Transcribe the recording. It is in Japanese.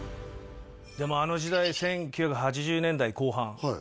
でもあの時代１９８０年代後半はい